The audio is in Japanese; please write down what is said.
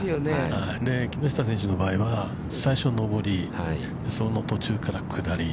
◆木下選手の場合は、最初上り、その途中から下り。